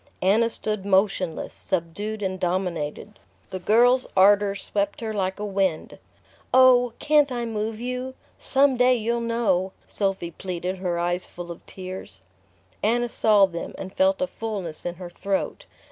Anna stood motionless, subdued and dominated. The girl's ardour swept her like a wind. "Oh, can't I move you? Some day you'll know!" Sophy pleaded, her eyes full of tears. Anna saw them, and felt a fullness in her throat.